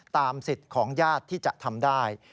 สิทธิ์ของญาติที่จะทำได้